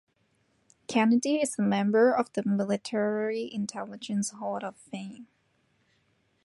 Kennedy is a member of the Military Intelligence Hall of Fame.